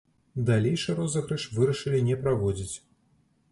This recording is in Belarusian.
Далейшы розыгрыш вырашылі не праводзіць.